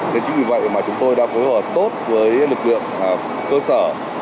thế chính vì vậy mà chúng tôi đã phối hợp tốt với lực lượng cơ sở